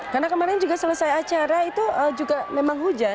karena kemarin juga selesai acara itu juga memang hujan